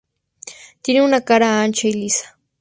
Tiene una cara ancha y lisa.